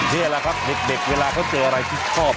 นี่แหละครับเด็กเวลาเขาเจออะไรที่ชอบ